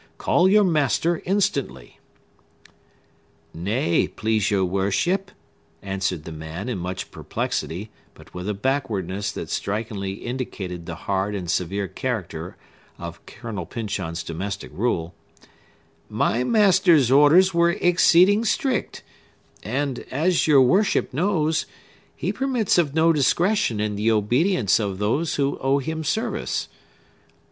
Call your master instantly." "Nay, please your worship," answered the man, in much perplexity, but with a backwardness that strikingly indicated the hard and severe character of Colonel Pyncheon's domestic rule; "my master's orders were exceeding strict; and, as your worship knows, he permits of no discretion in the obedience of those who owe him service.